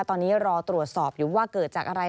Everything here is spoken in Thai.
ตอนนี้รอตรวจสอบอยู่ว่าเกิดจากอะไร